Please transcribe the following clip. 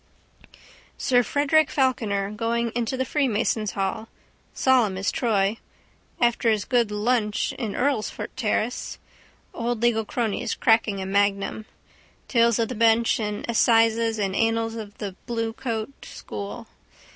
Sir Frederick Falkiner going into the freemasons' hall. Solemn as Troy. After his good lunch in Earlsfort terrace. Old legal cronies cracking a magnum. Tales of the bench and assizes and annals of the bluecoat school.